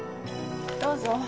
どうぞ。